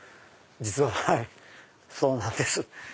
実ははいそうなんです。